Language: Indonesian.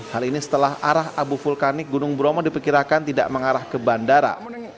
hal ini setelah arah abu vulkanik gunung bromo diperkirakan tidak mengarah ke bandara